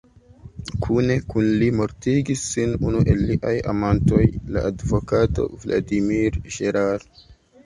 Kune kun li mortigis sin unu el liaj amantoj, la advokato Vladimir Gerard.